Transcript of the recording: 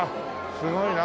すごいな。